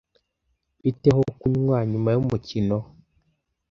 Bite ho kunywa nyuma yumukino?